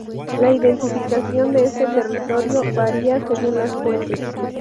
La identificación de este territorio varía según las fuentes.